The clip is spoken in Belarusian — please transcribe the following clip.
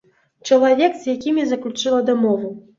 Чалавек, з якім я заключыла дамову.